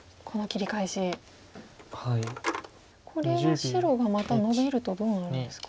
これは白がまたノビるとどうなるんですか？